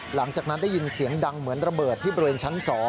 หลังจากนั้นได้ยินเสียงดังเหมือนระเบิดที่บริเวณชั้น๒